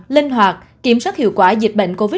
linh hoạt kiểm soát hiệu quả dịch bệnh covid một mươi